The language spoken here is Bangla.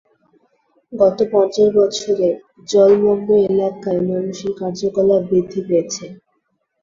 গত পঞ্চাশ বছরে, জলমগ্ন এলাকায় মানুষের কার্যকলাপ বৃদ্ধি পেয়েছে।